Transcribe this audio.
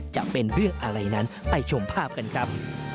จะเป็นเรื่องอะไรนั้นไปชมภาพกันครับ